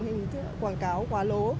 hình thức là quảng cáo quá lố